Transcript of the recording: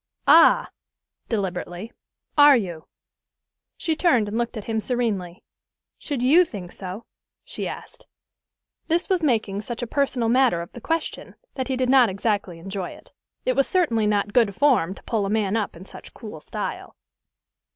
"Ah!" deliberately. "Are you?" She turned, and looked at him serenely. "Should you think so?" she asked. This was making such a personal matter of the question, that he did not exactly enjoy it. It was certainly not "good form" to pull a man up in such cool style.